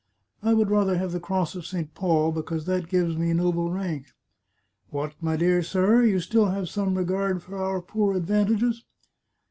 " I would rather have the Cross of St. Paul, because that gives me noble rank." " What, my dear sir ! You still have some regard for our poor advantages